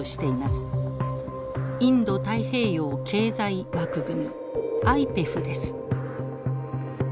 インド太平洋経済枠組みＩＰＥＦです。